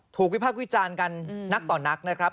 วิพากษ์วิจารณ์กันนักต่อนักนะครับ